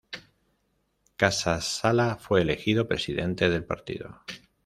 Casas Sala fue elegido presidente del partido.